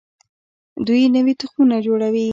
دوی نوي تخمونه جوړوي.